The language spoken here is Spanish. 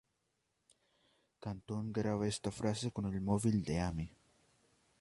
Canton graba esta frase con el móvil de Amy.